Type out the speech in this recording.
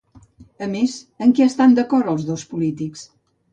A més, en què estan d'acord els dos polítics?